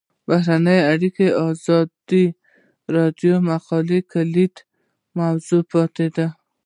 بهرنۍ اړیکې د ازادي راډیو د مقالو کلیدي موضوع پاتې شوی.